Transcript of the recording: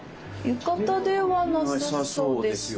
浴衣ではなさそうですが。